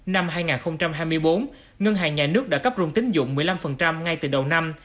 năm hai nghìn hai mươi bốn ngân hàng nhà nước đã cấp rung tính dụng một mươi năm ngay từ đầu năm